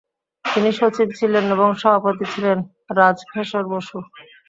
তিনি সচিব ছিলেন এবং সভাপতি ছিলেন রাজশেখর বসু ।